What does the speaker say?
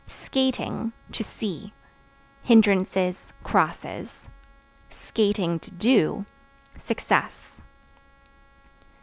Skating (To see) hindrances, crosses; (to do) success.